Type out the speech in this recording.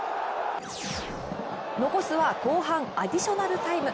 残すは後半アディショナルタイム。